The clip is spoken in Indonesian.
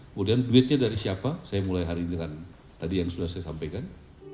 kemudian duitnya dari siapa saya mulai hari ini dengan tadi yang sudah saya sampaikan